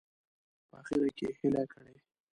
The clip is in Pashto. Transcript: په اخره کې یې هیله کړې.